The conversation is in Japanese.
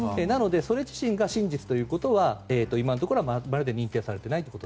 なのでそれ自身が真実ということは今のところ認定されていません。